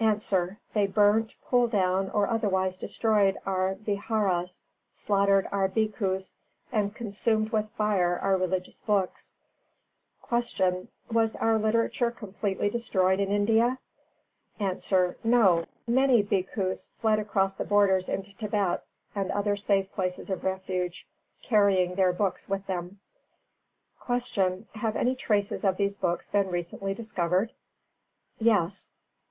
_ A. They burnt, pulled down or otherwise destroyed our vihāras, slaughtered our Bhikkhus, and consumed with fire our religious books. 316. Q. Was our literature completely destroyed in India? A. No. Many Bhikkhus fled across the borders into Tibet and other safe places of refuge, carrying their books with them. 317. Q. Have any traces of these books been recently discovered? A. Yes.